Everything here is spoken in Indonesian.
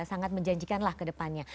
sangat menjanjikan lah ke depannya